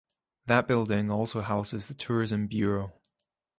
That building also houses the tourism bureau.